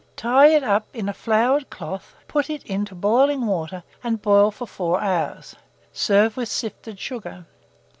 Tie it up in a floured cloth, put it into boiling water, and boil for 4 hours: serve with sifted sugar.